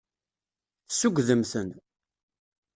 Tessugdem-ten.